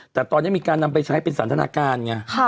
แต่ตอนนี้มีการนำไปใช้เป็นสันทนาการไง